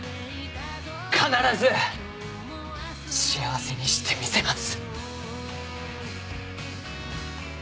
必ず幸せにしてみせます。